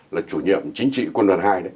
là chủ nhiệm chính trị quân luật hai đấy